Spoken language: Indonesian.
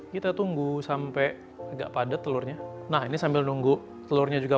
kita tunggu sampai agak padat telurnya nah ini sambil nunggu telurnya juga